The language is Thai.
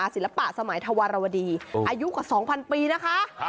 ศิลปะสมัยธวรวดีอายุกว่า๒๐๐ปีนะคะ